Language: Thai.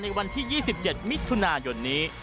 วันที่๒๗มิถุนายนนี้